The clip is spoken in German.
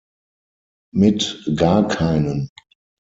Mit gar keinen.